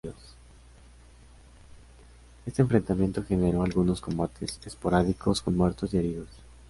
Este enfrentamiento generó algunos combates esporádicos con muertos y heridos.